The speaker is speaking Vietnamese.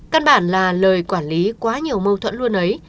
căn bản là lời quản lý quá nhiều mâu thuẫn luôn ấy